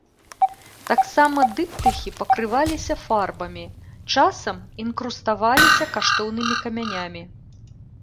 Таксама дыптыхі пакрываліся фарбамі, часам інкруставаліся каштоўнымі камянямі.